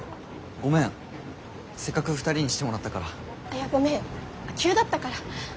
いやごめん急だったから。